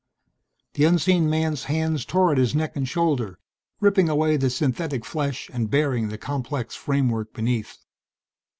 The unseen man's hands tore at his neck and shoulder, ripping away the synthetic flesh and baring the complex framework beneath.